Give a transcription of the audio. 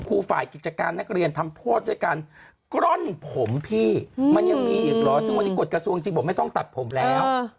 ซึ่งวันนี้กรรษางศจริงผมไม่ต้องตัดผมแล้ว